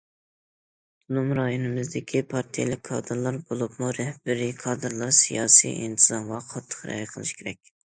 ئاپتونوم رايونىمىزدىكى پارتىيەلىك كادىرلار، بولۇپمۇ رەھبىرىي كادىرلار سىياسىي ئىنتىزامغا قاتتىق رىئايە قىلىشى كېرەك.